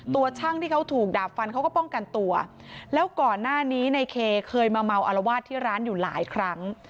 ตัวช่างที่เขาถูกดาบฟันเขาก็ป้องกันตัวแล้วก่อนหน้านี้ในเคเคยมาเมาอารวาสที่ร้านอยู่หลายครั้ง